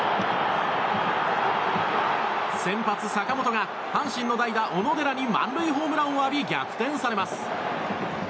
先発、坂本が阪神の代打、小野寺に満塁ホームランを浴び逆転されます。